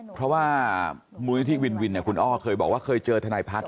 เพราะว่ามูลนิธิวินวินคุณอ้อเคยบอกว่าเคยเจอทนายพัฒน์